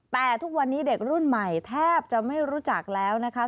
แต่ทุกวันนี้เด็กรุ่นใหม่แทบจะไม่รู้จักแล้วนะคะ